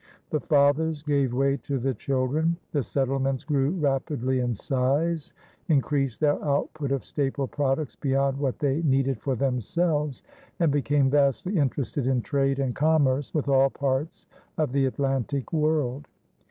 The fathers gave way to the children; the settlements grew rapidly in size, increased their output of staple products beyond what they needed for themselves, and became vastly interested in trade and commerce with all parts of the Atlantic world.